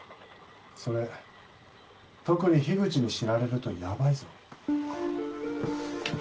それ特に樋口に知られるとヤバいぞ。